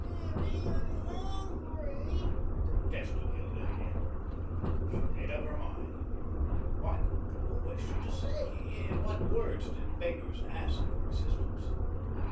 "Mammy, I'm hungry," protested Hilda again. She made up her mind. What, though, was she to say? In what words did beggars ask for assistance?